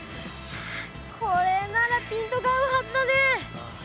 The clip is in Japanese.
これならピントが合うはずだね。